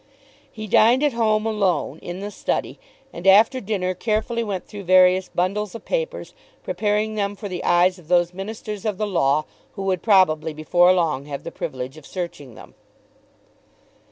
He dined at home alone, in the study, and after dinner carefully went through various bundles of papers, preparing them for the eyes of those ministers of the law who would probably before long have the privilege of searching them.